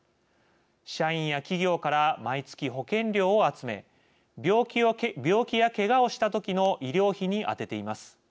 社員や企業から毎月保険料を集め病気やけがをした時の医療費に充てています。